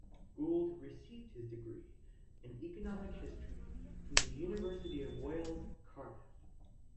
Gould received his degree in Economic History from the University of Wales, Cardiff.